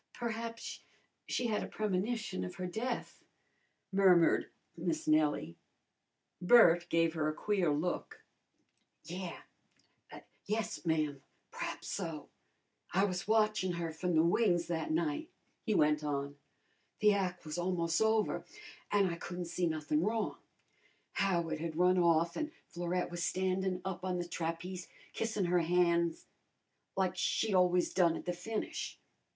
Perhaps she had a premonition of her death," murmured Miss Nellie. Bert gave her a queer look. "Yeah yes, ma'am, p'raps so. I was watchin' her from the wings that night," he went on. "The ac' was almos' over, an' I couldn't see nothin' wrong. Howard had run off an' Florette was standin' up on the trapeze kissin' her ban's like she always done at the finish.